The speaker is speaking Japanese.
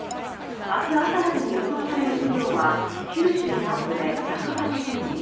あす朝までに予想される雨量は九州南部で１８０ミリ